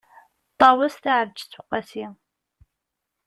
ṭawes taεelǧeţ uqasi